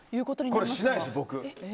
これ、しないです、僕。